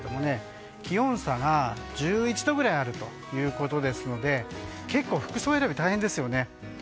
気温差が１１度くらいあるということですので結構、服装選び大変ですよね。